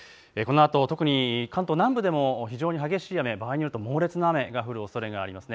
このあと特に関東南部でも非常に激しい雨、場合によると猛烈な雨が降るおそれがあります。